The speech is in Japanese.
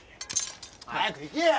早く行けや。